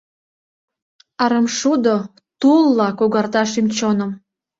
Арымшудо тулла когарта шӱм-чоным.